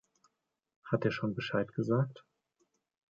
Hat er schon Bescheid gesagt?